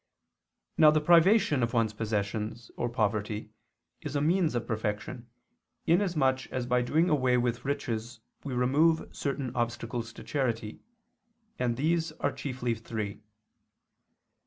Now the privation of one's possessions, or poverty, is a means of perfection, inasmuch as by doing away with riches we remove certain obstacles to charity; and these are chiefly three.